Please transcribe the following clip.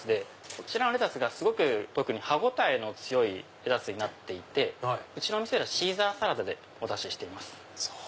こちらのレタスがすごく歯応えの強いレタスでうちの店ではシーザーサラダでお出ししています。